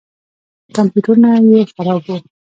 کمپیوټرونه یې خراب وو.